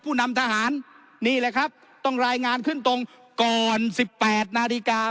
นำทหารนี่แหละครับต้องรายงานขึ้นตรงก่อน๑๘นาฬิกา